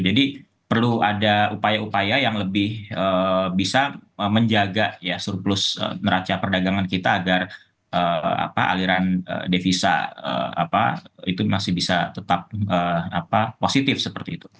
jadi perlu ada upaya upaya yang lebih bisa menjaga surplus neraca perdagangan kita agar aliran devisa itu masih bisa tetap positif seperti itu